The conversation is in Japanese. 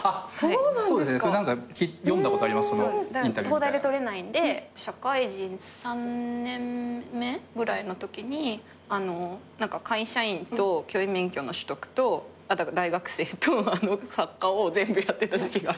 東大で取れないんで社会人３年目ぐらいのときに会社員と教員免許の取得と大学生と作家を全部やってた時期が。